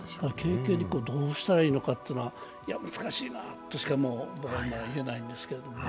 どうしたらいいのかというのは難しいとしか言えないですけどね。